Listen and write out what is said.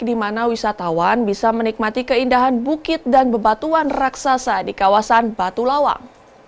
di mana wisatawan bisa menikmati keindahan bukit dan bebatuan raksasa di kawasan batu lawang